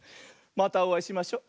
またおあいしましょ。